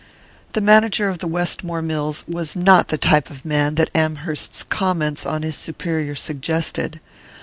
The manager of the Westmore mills was not the type of man that Amherst's comments on his superior suggested.